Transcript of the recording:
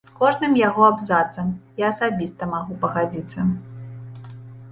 З кожным яго абзацам я асабіста магу пагадзіцца.